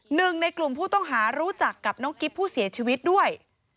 หนึ่งในกลุ่มผู้ต้องหารู้จักกับน้องกิ๊บผู้เสียชีวิตด้วย